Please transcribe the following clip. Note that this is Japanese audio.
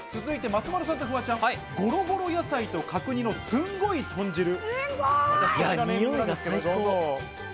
続いて、松丸さんとフワちゃん、ゴロゴロ野菜と角煮のすんごいとん汁。